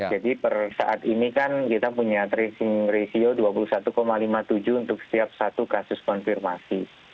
jadi persaat ini kan kita punya tracing ratio dua puluh satu lima puluh tujuh untuk setiap satu kasus konfirmasi